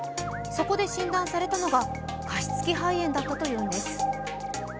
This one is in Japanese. そこで診断されたのが加湿器肺炎だったというのです。